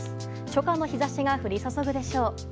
初夏の日差しが降り注ぐでしょう。